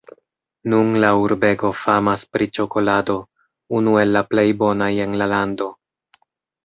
Nun la urbego famas pri ĉokolado, unu el la plej bonaj en la lando.